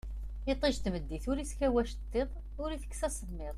Itij n tmeddit ur iskaw acettiḍ ur itekkes asemmiḍ